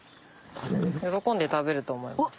喜んで食べると思います。